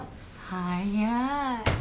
早い。